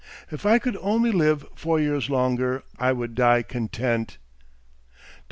If I could only live four years longer I would die content." Dr.